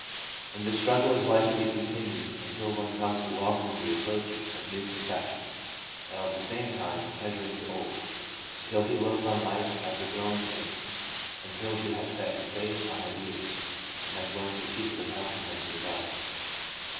And the struggle is likely to continue until one comes to welcome the approach of new conceptions, while at the same time treasuring the old ; until he looks on life as a growing thing ; until he has set his faith on ideals, and has learned the secret of helping them to develop.